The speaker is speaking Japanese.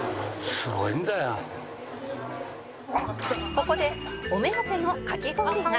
ここでお目当てのかき氷が